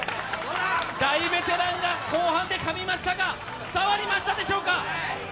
大ベテランが後半でかみましたが伝わりましたでしょうか？